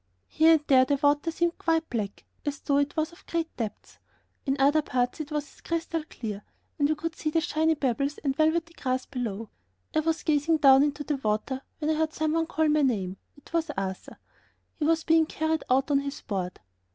Here and there the water seemed quite black, as though it was of great depth; in other parts it was as clear as crystal and we could see the shiny pebbles and velvety grass below. I was gazing down into the water when I heard some one call my name. It was Arthur. He was being carried out on his board.